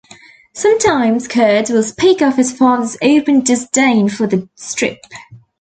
Sometimes Kurtz will speak of his father's open disdain for the strip.